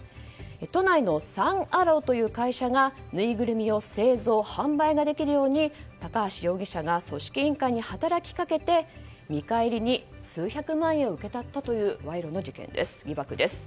都内のサン・アローという会社がぬいぐるみを製造・販売ができるように高橋容疑者が組織委員会に働きかけて見返りに数百万円を受け取ったという賄賂の疑惑です。